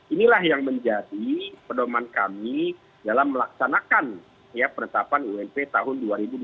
inilah yang menjadi pedoman kami dalam melaksanakan penetapan ump tahun dua ribu dua puluh